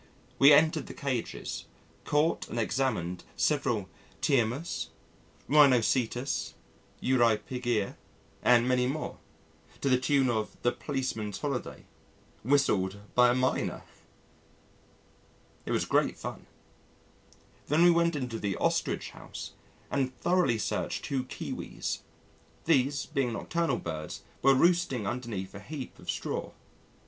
We entered the cages, caught and examined several Tinamous, Rhinochetus, Eurypygia, and many more, to the tune of "The Policeman's Holiday" whistled by a Mynah! It was great fun. Then we went into the Ostrich House and thoroughly searched two Kiwis. These, being nocturnal birds, were roosting underneath a heap of straw.